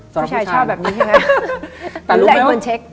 ผู้ชายชอบแบบนี้ใช่ไหมหลายคนเช็ค